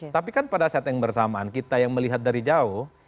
tapi kan pada saat yang bersamaan kita yang melihat dari jauh